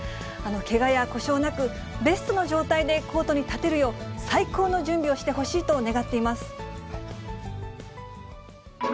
けがや故障なく、ベストな状態でコートに立てるよう、最高の準備をしてほしいと願っています。